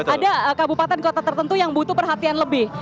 ada kabupaten kota tertentu yang butuh perhatian lebih